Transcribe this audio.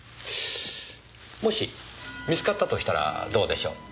もし見つかったとしたらどうでしょう？